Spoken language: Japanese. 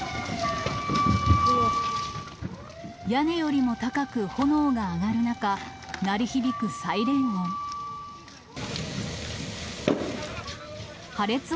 屋根よりも高く炎が上がる中、鳴り響くサイレン音。